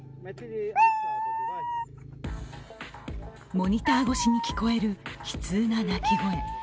モニター越しに聞こえる悲痛な鳴き声。